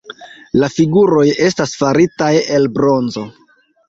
La figuroj estas faritaj el bronzo.